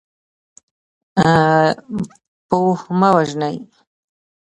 پوه مه وژنئ.